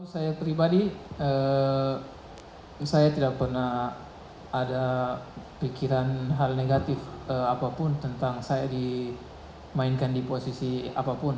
saya pribadi saya tidak pernah ada pikiran hal negatif apapun tentang saya dimainkan di posisi apapun